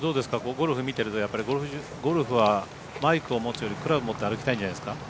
ゴルフ見てるとゴルフはマイクを持つより、クラブ持って歩きたいんじゃないですか？